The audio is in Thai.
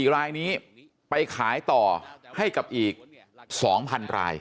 ๔รายนี้ไปขายต่อให้กับอีก๒๐๐๐ราย